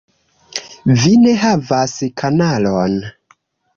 Vi ne havas kanalon